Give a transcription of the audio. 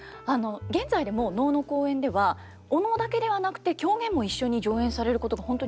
現在でも能の公演ではお能だけではなくて狂言も一緒に上演されることが本当に多いんですよ。